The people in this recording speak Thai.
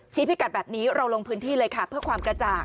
พิกัดแบบนี้เราลงพื้นที่เลยค่ะเพื่อความกระจ่าง